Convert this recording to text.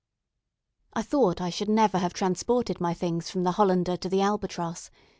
I thought I should never have transported my things from the "Hollander" to the "Albatross."